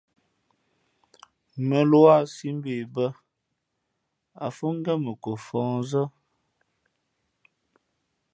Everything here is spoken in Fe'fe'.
Mᾱluā sī mbe bᾱ, ǎ fhʉ̄ ngén mα ko fαhnzᾱ.